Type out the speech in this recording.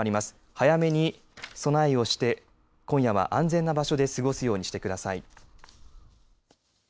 早めに備えをして今夜は安全な場所で過ごすようにしてください。